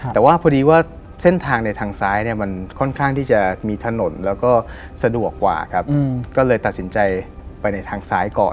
แต่ว่าพอดีว่าเส้นทางในทางซ้ายเนี่ยมันค่อนข้างที่จะมีถนนแล้วก็สะดวกกว่าครับก็เลยตัดสินใจไปในทางซ้ายก่อน